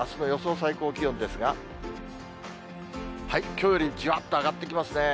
最高気温ですが、きょうよりじわっと上がってきますね。